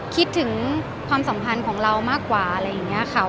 คิดถึงความสัมพันธ์ของเรามากกว่าอะไรอย่างนี้ค่ะ